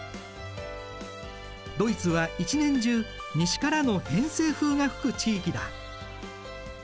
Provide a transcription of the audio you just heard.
ドイツは一年中西からの偏西風が吹く地域だ。